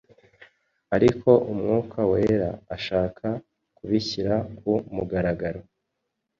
ariko Umwuka Wera ashaka kubishyira ku mugaragaro